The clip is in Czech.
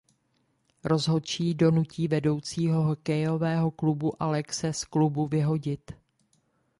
Rozhodčí donutí vedoucího hokejového klubu Alexe z klubu vyhodit.